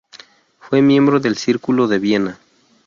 Fue miembro del Círculo de Viena.